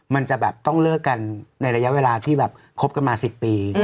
มันจะแบบต้องเลิกกันในระยะเวลาที่แบบคบกันมา๑๐ปี